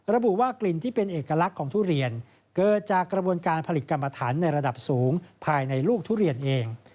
ระบุว่ากลิ่นที่เป็นเอกลักษณ์ของทุเรียนเกิดจากกระบวนการผลิตกรรมฐานในระดับสูงภายในลูกทุเรียนเอง